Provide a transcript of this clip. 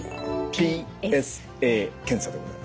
ＰＳＡ検査でございます。